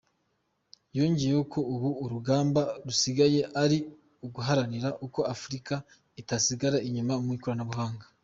Yongeyeho ko ubu urugamba rusigaye ari uguharanira ko Afurika itasigara inyuma mu ikoranabuhanga.